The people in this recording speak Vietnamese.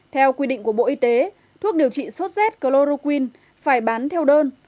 theo quy định của bộ y tế thuốc điều trị sốt z chloroquine phải bán theo đơn